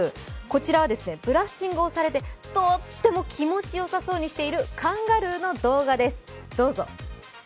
こちらはブラッシングをされてとっても気持ちよさそうにしているカンガルーの動画です、どうぞ。